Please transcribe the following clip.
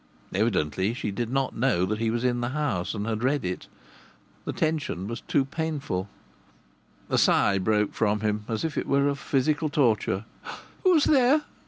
Evidently she did not know that he was in the house and had read it. The tension was too painful. A sigh broke from him, as it were of physical torture. "Who's there?"